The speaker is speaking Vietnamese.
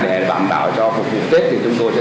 để bảo đảm cho phục vụ tết thì chúng tôi